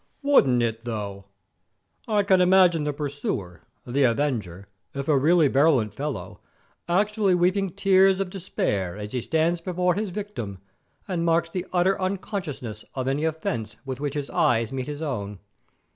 "Wouldn't it, though? I can imagine the pursuer, the avenger, if a really virulent fellow, actually weeping tears of despite as he stands before his victim and marks the utter unconsciousness of any offence with which his eyes meet his own.